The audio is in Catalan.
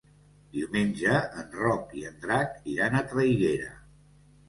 Diumenge en Roc i en Drac iran a Traiguera.